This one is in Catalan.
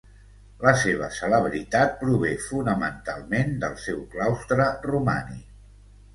La seva celebritat prové fonamentalment del seu claustre romànic.